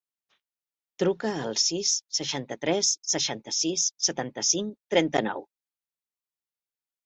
Truca al sis, seixanta-tres, seixanta-sis, setanta-cinc, trenta-nou.